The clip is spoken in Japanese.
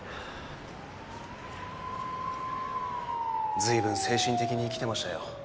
随分精神的にきてましたよ台場